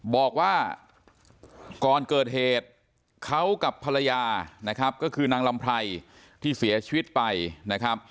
บอกว่าก่อนเกิดเหตุเขากับภรรยานะครับก็คือนางลำไพรที่เสียชีวิตไปนะครับ